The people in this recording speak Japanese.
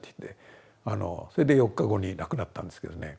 それで４日後に亡くなったんですけどね。